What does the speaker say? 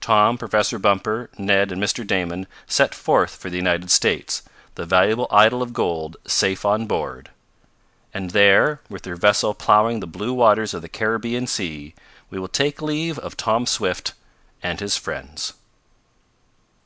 Tom, Professor Bumper, Ned and Mr. Damon set sail for the United States, the valuable idol of gold safe on board. And there, with their vessel plowing the blue waters of the Caribbean Sea, we will take leave of Tom Swift and his friends.